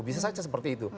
bisa saja seperti itu